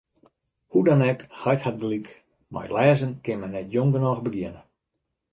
Hoe dan ek, heit hat gelyk: mei lêzen kin men net jong genôch begjinne.